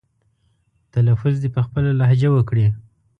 تلفظ دې په خپله لهجه وکړي.